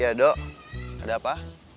iya dok ada apa